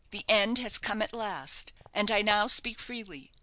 The end has come at last, and I now speak freely.